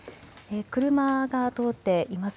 車が通っています。